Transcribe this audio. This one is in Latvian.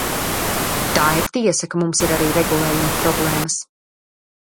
Tā ir tiesa, ka mums ir arī regulējuma problēmas.